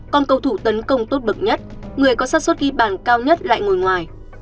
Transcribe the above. con cầu thủ tấn công tốt bậc nhất người có sát xuất ghi bàn cao nhất lại ngồi ngoài